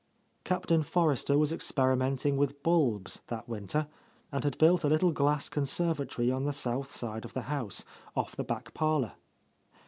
Captain Forrester was ex perimenting with bulbs that winter, and had built a little glass conservatory on the south side of the house, off the back parlour.